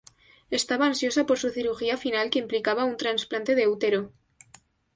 Estaba ansiosa por su cirugía final que implicaba un trasplante de útero.